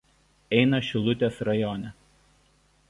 Eina Šilutės rajone.